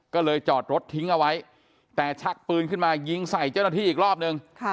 ก็เลยจอดรถทิ้งเอาไว้แต่ชักปืนขึ้นมายิงใส่เจ้าหน้าที่อีกรอบนึง